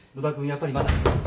やっぱりまだ？